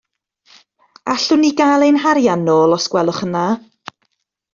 Allwn ni gael ein harian nôl os gwelwch yn dda.